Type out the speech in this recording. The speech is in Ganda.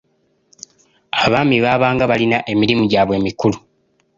Abaami baabanga balina emirimu gyabwe emikulu.